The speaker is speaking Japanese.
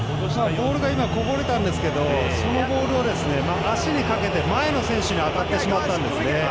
ボールこぼれたんですけどそのボールを足にかけて前の選手に当たってしまったんですね。